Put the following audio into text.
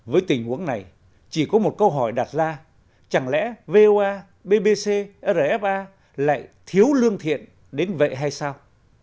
với tình huống này chỉ có một câu hỏi đặt ra chẳng lẽ voa bbc rfa lại thiếu lương thiện đến vậy hay sao